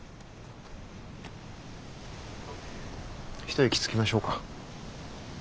一息つきましょうか。